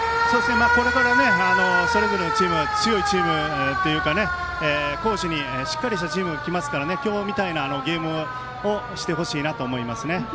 ここからそれぞれのチーム、強いチーム攻守に、しっかりしたチームがきますから今日みたいなゲームをしてほしいなと思いますね。